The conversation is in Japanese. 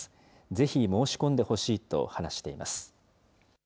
ぜひ申し込んでほしいと話しています。